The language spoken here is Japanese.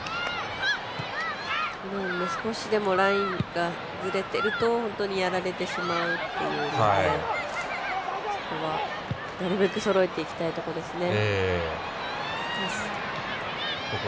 今もラインがぶれているとやられてしまうというそこはなるべくそろえていきたいところですね。